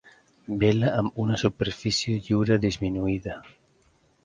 Vela amb una superfície lliure disminuïda.